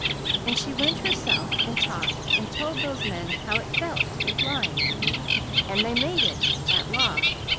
And she went herself and talked and told those men how it felt to be blind. And they made it that law.